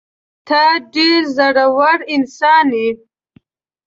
ته ډېر زړه ور انسان یې.